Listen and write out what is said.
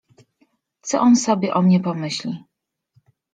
Co on sobie o mnie pomyśli!